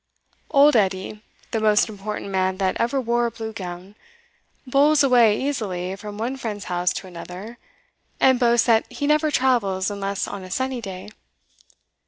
Old Edie, the most important man that ever wore a blue gown, bowls away easily from one friend's house to another, and boasts that he never travels unless on a sunny day.